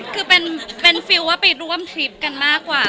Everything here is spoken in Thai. คือเป็นฟิลว่าไปร่วมทริปกันมากกว่า